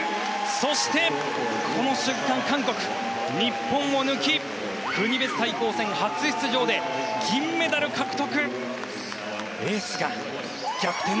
そして、この瞬間、韓国が日本を抜き、国別対抗戦初出場で銀メダル獲得。